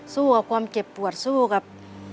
สู้กับความเจ็บปวดสู้กับ